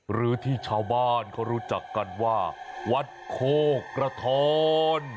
หรือที่ชาวบ้านเขารู้จักกันว่าวัดโคกระทร